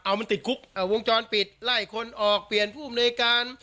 เอามันติดกุ๊กเอาวงจรปิดไล่คนออกเปลี่ยนผู้บริการ